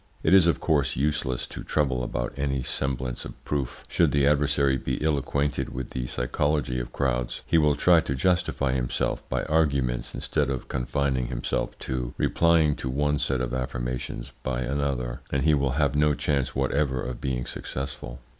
It is, of course, useless to trouble about any semblance of proof. Should the adversary be ill acquainted with the psychology of crowds he will try to justify himself by arguments instead of confining himself to replying to one set of affirmations by another; and he will have no chance whatever of being successful.